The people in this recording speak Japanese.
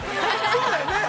◆そうだよね。